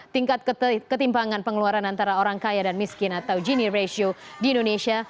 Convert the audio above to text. tingkat ketimpangan pengeluaran antara orang kaya dan miskin atau gini ratio di indonesia